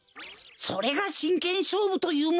それがしんけんしょうぶというもの。